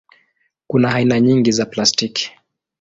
Kuna aina nyingi za plastiki.